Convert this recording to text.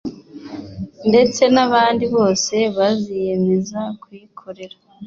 ndetse n abandi bose baziyemeza kuyikorera